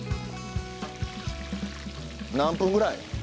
何分ぐらい？